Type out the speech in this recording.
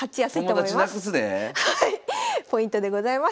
ポイントでございます。